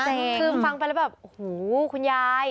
คือฟังไปแล้วแบบหูคุณยาย